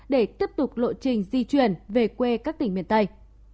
để tiếp tục lộ trình di chuyển về quê các tỉnh miền tây